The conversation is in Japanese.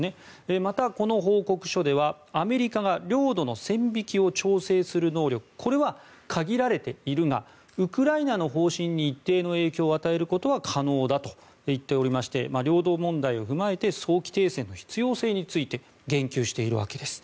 また、この報告書ではアメリカが領土の線引きを調整する能力これは限られているがウクライナの方針に一定の影響を与えることは可能だと言っておりまして領土問題を踏まえて早期停戦の必要性について言及しているわけです。